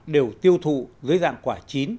đều tiêu thụ dưới dạng quả chín